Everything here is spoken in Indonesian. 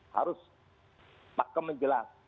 harus pake menjelaskan